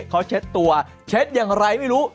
เขาเช็ดตัวเช็ดอย่างไรไม่รู้